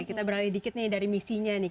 kita beralih dikit nih dari misinya nih